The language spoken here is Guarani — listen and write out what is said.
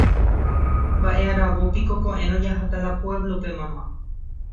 Mba'e aravópiko ko'ẽrõ jaháta la pueblope mama.